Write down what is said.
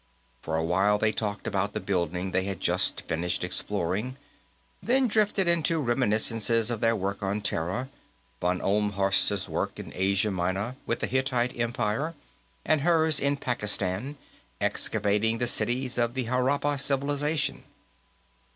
For a while, they talked about the building they had just finished exploring, then drifted into reminiscences of their work on Terra von Ohlmhorst's in Asia Minor, with the Hittite Empire, and hers in Pakistan, excavating the cities of the Harappa Civilization.